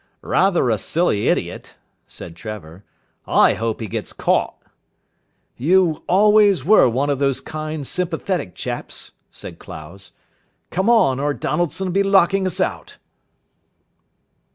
"Rather a silly idiot," said Trevor. "I hope he gets caught." "You always were one of those kind sympathetic chaps," said Clowes. "Come on, or Donaldson'll be locking us out."